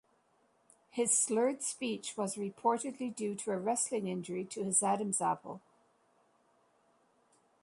His slurred speech was reportedly due to a wrestling injury to his Adam's apple.